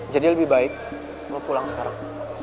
jadi lebih baik lo pulang sekarang